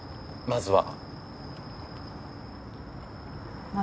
まずは？